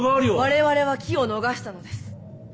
我々は機を逃したのです。